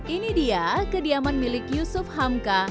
ini dia kediaman milik yusuf hamka